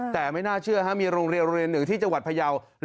แต่ไม่น่าเชื่อมีโรงเรียนโรงเรียนหนึ่งที่จังหวัดพยาว